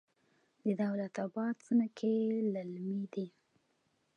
د دولت اباد ځمکې للمي دي